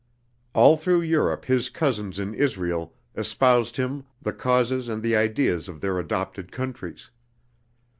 All through Europe his cousins in Israel espoused like him the causes and the ideas of their adopted countries.